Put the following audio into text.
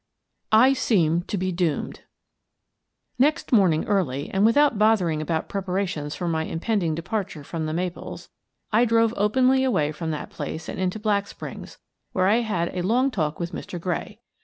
I SEEM TO BE DOOMED Next morning early, and without bothering about preparations for my impending* departure from "The Maples," I drove openly away from that place and into Black Springs, where I had a long talk with Mr. Gray.